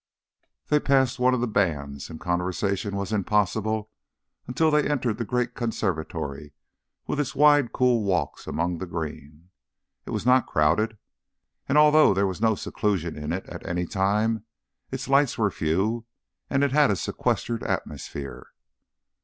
They passed one of the bands, and conversation was impossible until they entered the great conservatory with its wide cool walks among the green. It was not crowded, and although there was no seclusion in it at any time, its lights were few and it had a sequestered atmosphere.